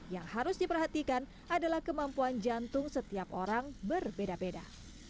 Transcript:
yang harus diperhatikan adalah kemampuan jantung setiap orang berbeda beda